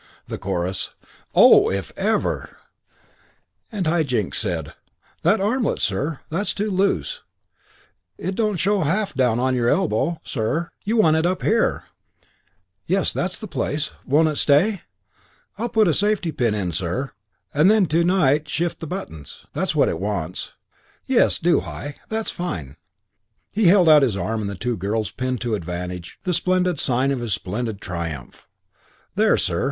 The chorus, "Oh, if ever!" High Jinks said, "That armlet, sir, that's too loose. It don't half show down on your elbow, sir. You want it up here." "Yes, that's the place. Won't it stay?" "I'll put a safety pin in, sir; and then to night shift the buttons. That's what it wants." "Yes, do, High. That's fine." He held out his arm and the two girls pinned to advantage the splendid sign of his splendid triumph. "There, sir.